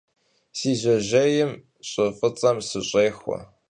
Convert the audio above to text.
Си жьэжьейм щӀы фӀыцӀэм сыщӀехуэ.